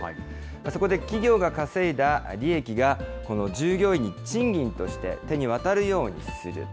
そこで企業が稼いだ利益が、この従業員に賃金として手に渡るようにする。